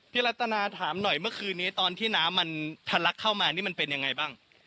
รัตนาถามหน่อยเมื่อคืนนี้ตอนที่น้ำมันทะลักเข้ามานี่มันเป็นยังไงบ้าง